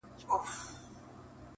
هغه لمرینه نجلۍ تور ته ست کوي’